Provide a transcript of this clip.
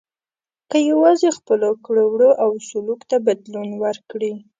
که یوازې خپلو کړو وړو او سلوک ته بدلون ورکړي.